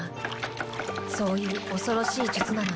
そういう恐ろしい術なのです。